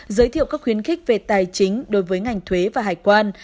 giới thiệu các khuyến khích về tài chính đối với ngành thuế và hải quan